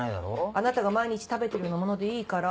あなたが毎日食べてるようなものでいいから。